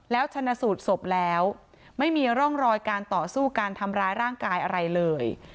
แล้วชนะสูตรศพแล้วไม่มีร่องรอยการต่อสู้การทำร้ายร่างกายอะไรเลย